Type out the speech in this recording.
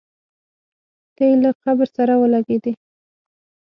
تی یې له قبر سره ولګېدی.